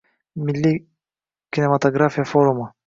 Milliy kinematografiya forumi